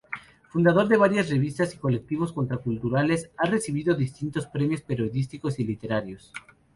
Fundador de varias revistas y colectivos contraculturales, ha recibido distintos premios periodísticos y literarios.